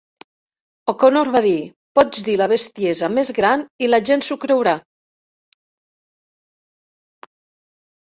O'Connor va dir: "Pots dir la bestiesa més gran i la gent s'ho creurà".